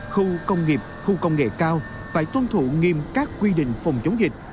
khu công nghiệp khu công nghệ cao phải tuân thủ nghiêm các quy định phòng chống dịch